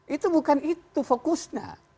itu bukan itu fokusnya